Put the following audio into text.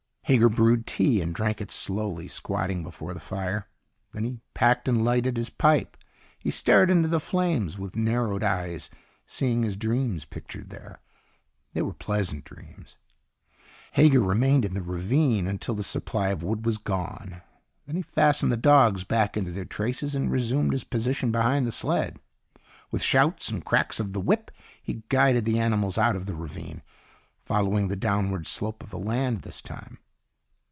Hager brewed tea and drank it slowly, squatting before the fire. Then he packed and lighted his pipe. He stared into the flames with narrowed eyes, seeing his dreams pictured there. They were pleasant dreams. Hager remained in the ravine until the supply of wood was gone. Then he fastened the dogs back into their traces and resumed his position behind the sled. With shouts and cracks of the whip, he guided the animals out of the ravine, following the downward slope of the land this time.